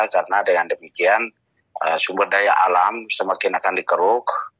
karena dengan demikian sumber daya alam semakin akan dikeruk